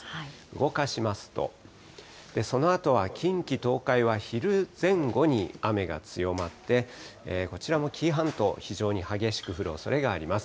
動かしますと、そのあとは近畿、東海は昼前後に雨が強まって、こちらも紀伊半島、非常に激しく降るおそれがあります。